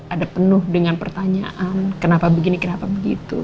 ada penuh dengan pertanyaan kenapa begini kenapa begitu